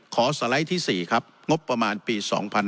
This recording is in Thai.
สไลด์ที่๔ครับงบประมาณปี๒๕๕๙